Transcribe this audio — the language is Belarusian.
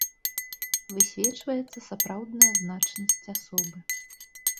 Высвечваецца сапраўдная значнасць асобы.